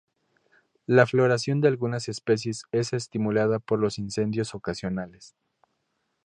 La floración de algunas especies es estimulada por los incendios ocasionales.